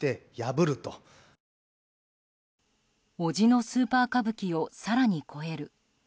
伯父の「スーパー歌舞伎」を更に超える。